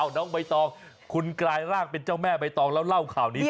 น้องใบตองคุณกลายร่างเป็นเจ้าแม่ใบตองแล้วเล่าข่าวนี้สิ